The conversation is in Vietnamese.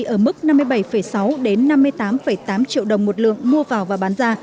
ở mức năm mươi bảy sáu năm mươi tám tám triệu đồng một lượng mua vào và bán ra